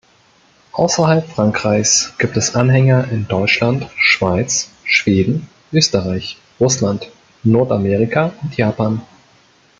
Außerhalb Frankreichs gibt es Anhänger in Deutschland, Schweiz, Schweden, Österreich, Russland, Nordamerika und Japan.